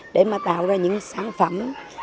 để mà tạo ra những sản phẩm